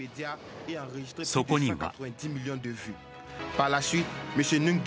そこには。